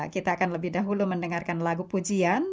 kita akan lebih dahulu mendengarkan lagu pujian